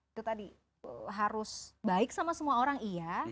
itu tadi harus baik sama semua orang iya